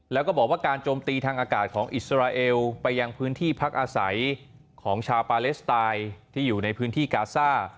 แล้วก็บอกว่าการโจมตีทางอากาศของอิสราเอลไปยังพื้นที่พักอาศัยของชาวปาเลสไตน์ที่อยู่ในพื้นที่กาซ่า